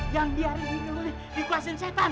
jangan biarin diri lo dikuasin setan